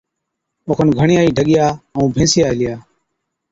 او کن گھڻِيا ئِي ڍڳِيا ائُون ڀينسان هِلِيا۔